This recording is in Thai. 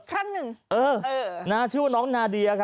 ครั้งหนึ่ง